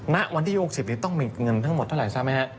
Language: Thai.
ณวันที่๖๐ต้องมีเงินทั้งหมดเท่าไหร่ทราบไหมฮะ